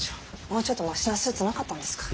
もうちょっとマシなスーツなかったんですか？